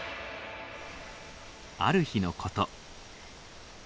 ある日のこと。